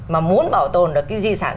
mà muốn bảo tồn được cái di sản